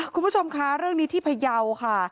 คุณผู้ชมคะเรื่องนี้ที่พยาวค่ะ